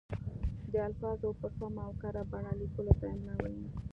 د الفاظو په سمه او کره بڼه لیکلو ته املاء وايي.